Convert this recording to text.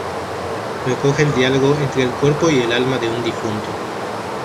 Recoge el diálogo entre el cuerpo y el alma de un difunto.